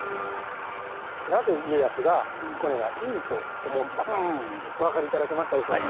なぜ家康が「彦根がイイ」と思ったかお分かり頂けましたでしょうか。